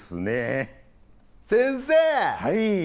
はい。